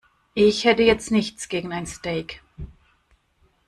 Ich hätte jetzt nichts gegen ein Steak.